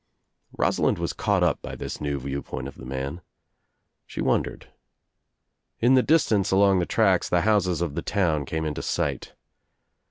Rosalind was caught up by this new view point of the man. She wondered. In the distance along the tracks the houses of the town came into sight.